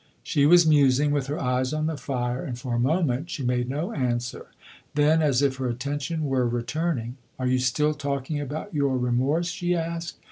She was musing, with her eyes on the fire, and for a moment she made no answer; then, as if her attention were returning "Are you still talking about your remorse?" she asked.